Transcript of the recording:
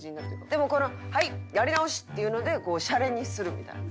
でもこの「はい！やり直し！」っていうのでシャレにするみたいな。